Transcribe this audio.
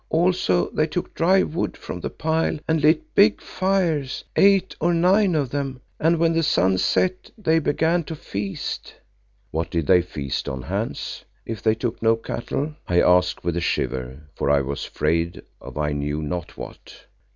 Also they took dry wood from the pile and lit big fires, eight or nine of them, and when the sun set they began to feast." "What did they feast on, Hans, if they took no cattle?" I asked with a shiver, for I was afraid of I knew not what.